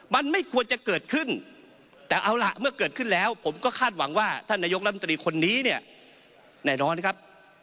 มันไม่ควรจะเกิดขึ้นแต่เอาล่ะเมื่อเกิดขึ้นแล้วผมก็คาดหวังว่าท่านนายกรัฐมนตรีคนนี้เนี่ยแน่นอนครับ